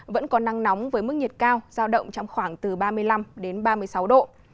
vẫn có nắng nóng với mức nhiệt cao giao động trong khoảng từ ba mươi năm đến ba mươi sáu độ